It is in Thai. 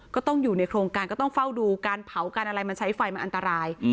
ก็ต้องอยู่ในโครงการก็ต้องเฝ้าดูการเผาการอะไรมันใช้ไฟมันอันตราย